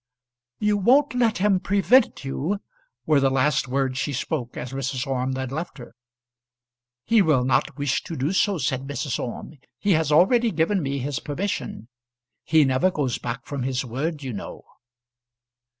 "You won't let him prevent you?" were the last words she spoke, as Mrs. Orme then left her. "He will not wish to do so," said Mrs. Orme. "He has already given me his permission. He never goes back from his word, you know."